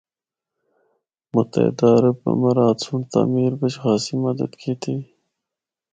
متحدہ عرب امارات سنڑ تعمیر بچ خاصی مدد کیتی۔